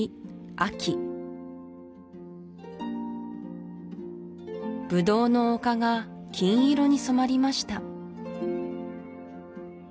秋ブドウの丘が金色に染まりました